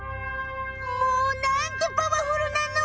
もうなんてパワフルなの！